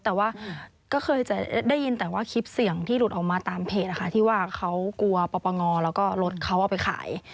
แต่ว่าก็เคยจะได้ยินแต่ว่าคลิปเสียงที่หลุดออกมาตามเพจนะคะที่ว่าเขากลัวปปงแล้วก็รถเขาเอาไปขาย